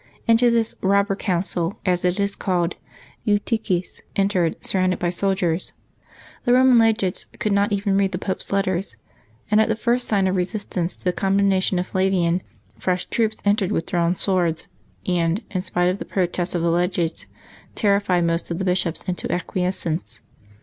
Into this " robber council," as it is called, Eutyches en tered, surrounded by soldiers. The Eoman legates could not even read the Pope's letters; and at the first sign of resistance to the condemnation of Flavian, fresh troops entered with drawn swords, and, in spite of the protests of the legates, terrified most of the bishops into acquies cence.